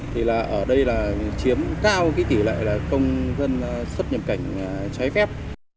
thì ở đây chiếm cao tỷ lệ công dân xuất nhập cảnh trái phép